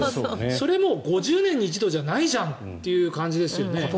それ、もう５０年に一度じゃないじゃんという感じですよね。